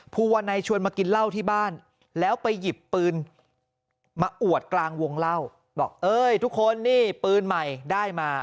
ภูวานัยชวนมากินเหล้าที่บ้านแล้วไปหยิบปืนมาอวดกลางวงเล่าบอกเอ้ยทุกคนนี่ปืนใหม่ได้มา